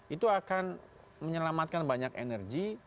itu akan menyelamatkan banyak energi